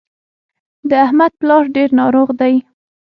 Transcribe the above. د احمد پلار ډېر ناروغ دی.